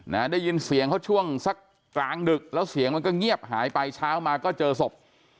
ได้ยินเสียงเขาช่วงสักกลางดึกแล้วเสียงมันก็เงียบหายไปเช้ามาก็เจอศพ